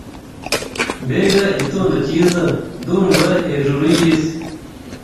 Mbega igitondo cyiza! Ndumva hejuru yisi.